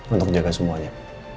untuk jaga semuanya